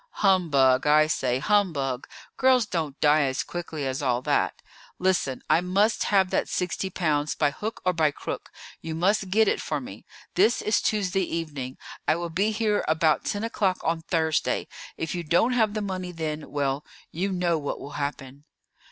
"Humbug. I say—humbug! Girls don't die as quickly as all that. Listen, I must have that sixty pounds by hook or by crook; you must get it for me. This is Tuesday evening. I will be here about ten o'clock on Thursday; if you don't have the money then, well, you know what will happen."